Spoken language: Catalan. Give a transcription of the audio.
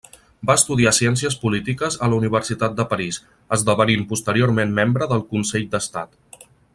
Va estudiar ciències polítiques a la Universitat de París, esdevenint posteriorment membre del Consell d'Estat.